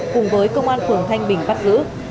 cùng với công an phường thanh bình bắt giữ